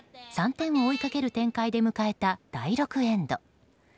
３点を追いかける展開で迎えた第６エンド。